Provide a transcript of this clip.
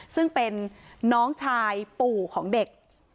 ซึ่งเป็นน้องชายปู่ของเด็ก